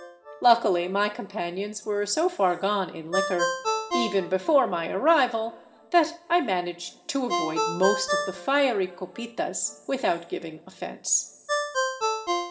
Luckily, my companions were so far gone in liquor, even before my arrival, that I managed to avoid most of the fiery " copitas " without giving offense.